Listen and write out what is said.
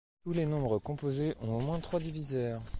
Tous les nombres composés ont au moins trois diviseurs.